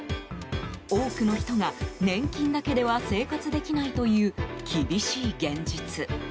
多くの人が、年金だけでは生活できないという厳しい現実。